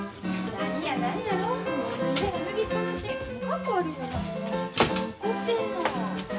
何怒ってんの？